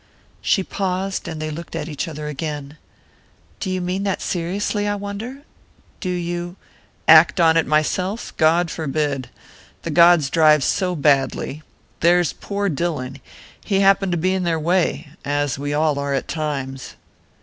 She paused, and they looked at each other again. "Do you mean that seriously, I wonder? Do you " "Act on it myself? God forbid! The gods drive so badly. There's poor Dillon...he happened to be in their way...as we all are at times."